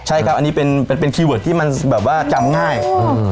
ใช่ครับอันนี้เป็นเป็นคีย์เวิร์ดที่มันแบบว่าจำง่ายอืม